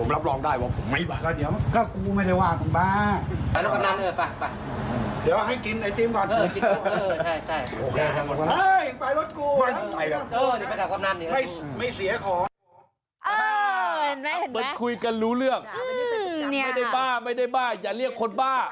เห็นมั้ยมันคุยกันรู้เรื่องไม่ได้บ้าอย่าเรียกคนบ้า